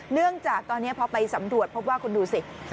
เนื่องจากตอนนี้พอไปสำรวจพบว่าคุณดูสิ